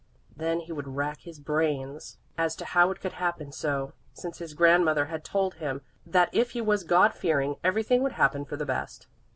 Then he would rack his brains as to how it could happen so, since his grandmother had told him that if he was God fearing everything would happen for the best.